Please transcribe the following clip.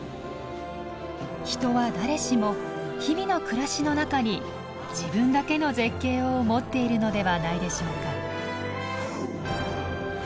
人は誰しも日々の暮らしの中に自分だけの絶景を持っているのではないでしょうか。